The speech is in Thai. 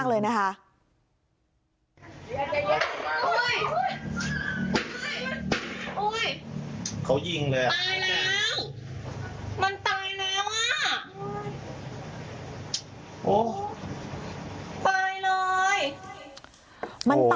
เขายิงเลยอ่ะตายแล้วมันตายแล้วอ่ะ